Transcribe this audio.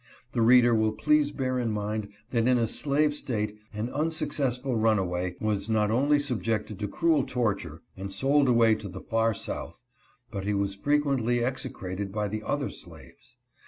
The reader will please bear in mind that in a slave State an unsuccessful runaway was not only subjected to cruel torture, and sold away to the far South, but he was frequently execrated by the other slaves.